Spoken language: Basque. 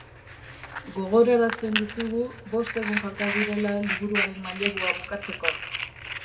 Gogorarazten dizugu bost egun falta direla liburuaren mailegua bukatzeko.